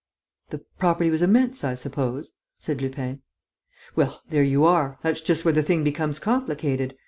"The property was immense, I suppose?" said Lupin. "Well, there you are! That's just where the thing becomes complicated.